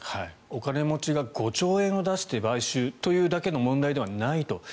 お金持ちが５兆円を出して買収というだけの問題ではないと。